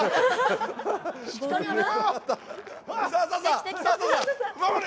しっかりやれよ！